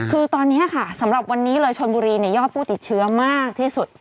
คือตอนนี้ค่ะสำหรับวันนี้เลยชนบุรียอดผู้ติดเชื้อมากที่สุด